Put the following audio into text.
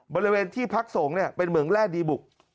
บริเวณที่พักสงฆ์เป็นเหมืองแร่ดีบุก